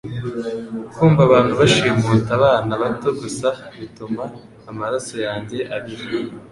Kumva abantu bashimuta abana bato gusa bituma amaraso yanjye abira